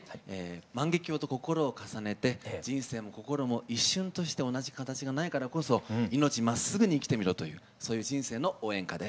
万華鏡とこころを重ねて人生もこころも一瞬として同じ形がないからこそ命まっすぐに生きてみろというそういう人生の応援歌です。